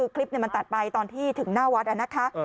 คลิปมันตัดไปตอนที่ถึงหน้าวัดนะคะ